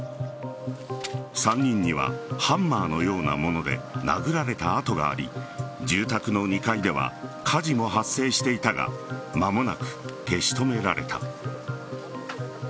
３人にはハンマーのようなもので殴られた痕があり住宅の２階では火事も発生していたが間もなく消し止められた。